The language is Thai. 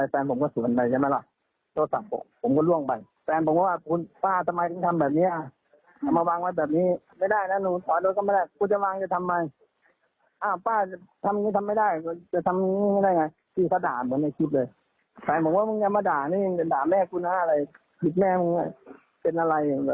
เป็นอะไรแบบนี้